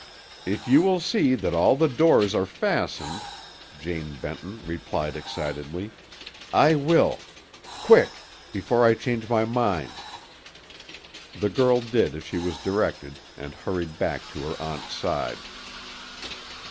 "If you will see that all the doors are fastened," Jane Benton replied excitedly, "I will. Quick! Before I change my mind." The girl did as she was directed, and hurried back to her aunt's side.